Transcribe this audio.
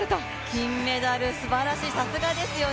金メダル、すばらしい、さすがですよね。